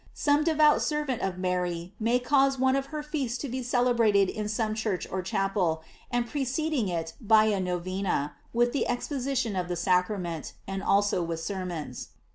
Some devout servant of Mary might cause one of her feasts to be celebrated in some church or chapel, and preceding it by a Novena, with the exposition of the Sacrament, and also with sermons.